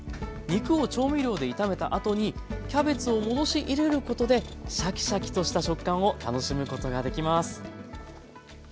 肉を調味料で炒めたあとにキャベツを戻し入れることでシャキシャキとした食感を楽しむことができます。